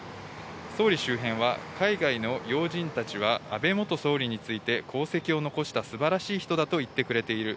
総理周辺は、海外の要人たちは安倍元総理について、功績を残した素晴らしい人だと言ってくれている。